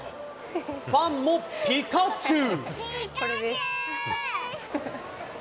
ファンもピカチュウ。